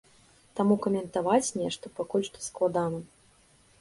Таму каментаваць нешта пакуль што складана.